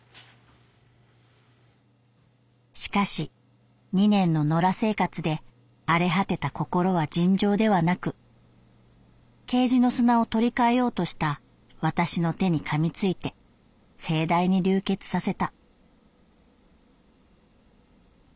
「しかし二年の野良生活で荒れ果てた心は尋常ではなくケージの砂を取り換えようとした私の手にかみついて盛大に流血させた」。